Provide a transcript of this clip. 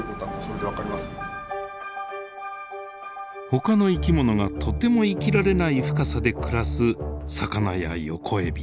ほかの生き物がとても生きられない深さで暮らす魚やヨコエビ。